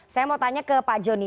saya mau tanya ke pak joni